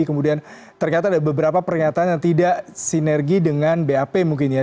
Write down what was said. kemudian ternyata ada beberapa pernyataan yang tidak sinergi dengan bap mungkin ya